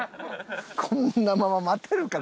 こんなまま待てるか。